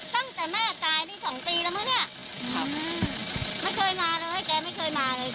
ตั้งแต่แม่ตายนี่สองปีแล้วมั้งเนี่ยไม่เคยมาเลยแกไม่เคยมาเลย